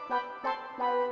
lalu siapa yang menang